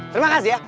terima kasih ya